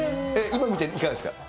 今見ていかがですか。